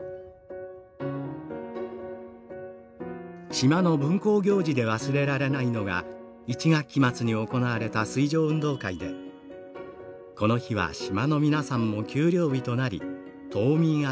「島の分校行事で忘れられないのが１学期末に行われた水上運動会でこの日は島の皆さんも休漁日となり島民あげての学校行事でした」。